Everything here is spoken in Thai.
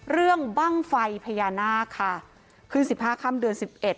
บ้างไฟพญานาคค่ะขึ้นสิบห้าค่ำเดือนสิบเอ็ด